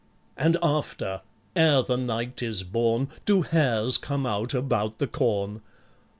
And after, ere the night is born, Do hares come out about the corn?